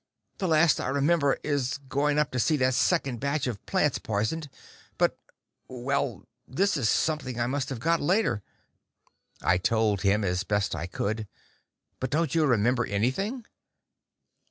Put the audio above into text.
The last I remember is going up to see that second batch of plants poisoned. But well, this is something I must have got later...." I told him, as best I could. "But don't you remember anything?"